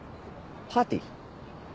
パーティー？